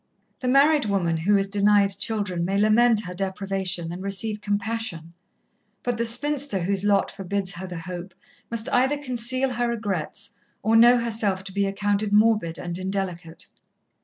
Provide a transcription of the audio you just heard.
The married woman who is denied children may lament her deprivation and receive compassion, but the spinster whose lot forbids her the hope, must either conceal her regrets or know herself to be accounted morbid and indelicate.